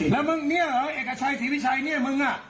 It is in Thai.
แล้วมึงเนี่ยเหรอเอกชัยศรีวิชัยเนี่ยมึงอ่ะ